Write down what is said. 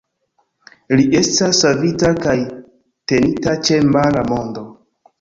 Li estas savita kaj tenita ĉe Mara Mondo.